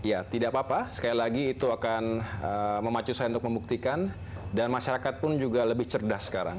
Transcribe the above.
ya tidak apa apa sekali lagi itu akan memacu saya untuk membuktikan dan masyarakat pun juga lebih cerdas sekarang